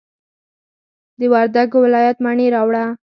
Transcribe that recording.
د وردګو ولایت مڼې راوړه.